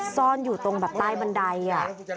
ซ่อนอยู่ตรงแบบใต้บันไดอ่ะ